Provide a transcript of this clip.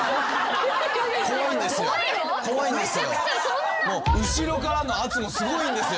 怖いんですよ。